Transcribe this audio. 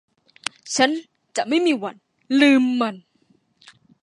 ฉันจะไม่มีวันลืมมัน